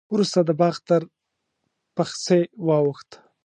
وروسته د باغ تر پخڅې واوښت.